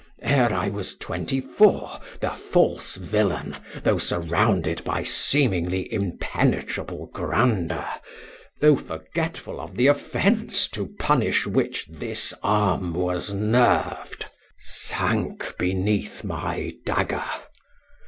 Ere I was twenty four, the false villain, though surrounded by seemingly impenetrable grandeur; though forgetful of the offence to punish which this arm was nerved, sank beneath my dagger.